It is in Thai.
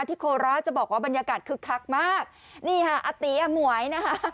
โคราชจะบอกว่าบรรยากาศคึกคักมากนี่ค่ะอาตีอมวยนะคะ